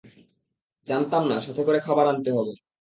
জানতাম না, সাথে করে খাবার আনতে হবে।